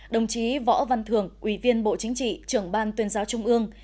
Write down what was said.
đồng chí võ văn thường ủy viên bộ chính trị trưởng ban tuyên giáo trung ương